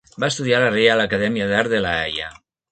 Va estudiar a la Reial Acadèmia d'Art de la Haia.